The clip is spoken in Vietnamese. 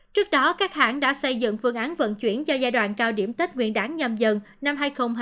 trước đó các hãng đã xây dựng phương án vận chuyển cho giai đoạn cao điểm tết nguyên đáng nhằm dần năm hai nghìn hai mươi hai